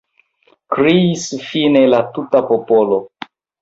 kriis fine la tuta popolo.